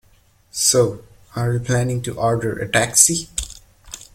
So, are you planning to order a taxi?